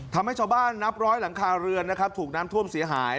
ทำให้ชาวบ้านนับร้อยหลังคาเรือนนะครับถูกน้ำท่วมเสียหาย